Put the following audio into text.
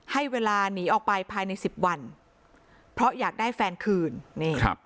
ให้เวลาหนีออกไปภายในสิบวันเพราะอยากได้แฟนคืนนี่ครับ